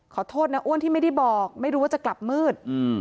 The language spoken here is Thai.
ขอโทษนะอ้วนที่ไม่ได้บอกไม่รู้ว่าจะกลับมืด